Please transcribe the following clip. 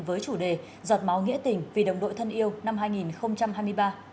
với chủ đề giọt máu nghĩa tình vì đồng đội thân yêu năm hai nghìn hai mươi ba